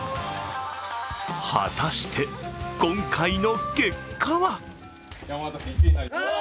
果たして、今回の結果は？